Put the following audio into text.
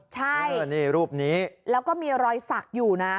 ใช่นี่รูปนี้แล้วก็มีรอยสักอยู่นะ